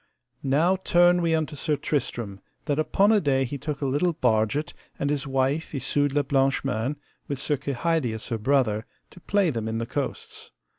Now turn we unto Sir Tristram, that upon a day he took a little barget, and his wife Isoud la Blanche Mains, with Sir Kehydius her brother, to play them in the coasts.